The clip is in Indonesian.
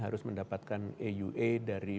harus mendapatkan aua dari